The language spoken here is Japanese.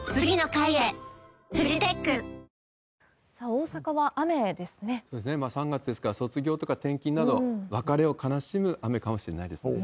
大阪はまだ雨が降っていますが、３月ですから、卒業とか転勤など、別れを悲しむ雨かもしれないですね。